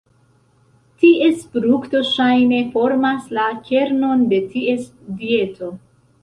Ties frukto ŝajne formas la kernon de ties dieto.